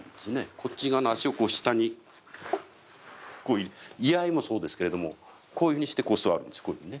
こっち側の足をこう下にこう居合もそうですけれどもこういうふうにしてこう座るんですこういうふうにね。